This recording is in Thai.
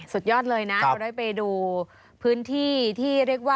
สุดยอดเลยนะเราได้ไปดูพื้นที่ที่เรียกว่า